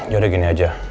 ya udah gini aja